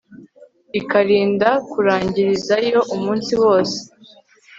ikarinda kurangirizayo umunsi wose